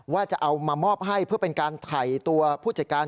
ว่าจะเอามามอบให้เพื่อเป็นการถ่ายตัวผู้จัดการ